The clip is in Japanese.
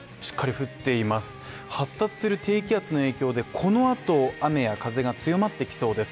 発達する低気圧の影響でこのあと雨や風が強まってきそうです。